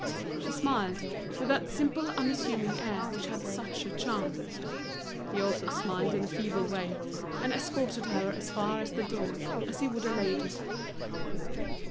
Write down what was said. She smiled, with that simple unassuming air which had such a charm. He also smiled in a feeble way, and escorted her as far as the door, as he would a lady.